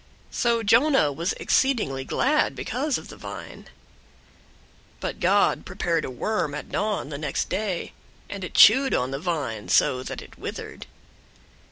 So Jonah was exceedingly glad because of the vine. 004:007 But God prepared a worm at dawn the next day, and it chewed on the vine, so that it withered.